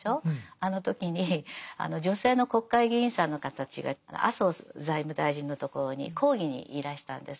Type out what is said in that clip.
あの時に女性の国会議員さんの方たちが麻生財務大臣のところに抗議にいらしたんです。